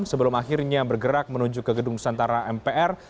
sebelum akhirnya bergerak menuju ke gedung nusantara mpr